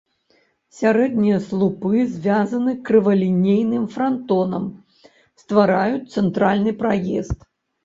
Сярэднія слупы звязаны крывалінейным франтонам, ствараюць цэнтральны праезд.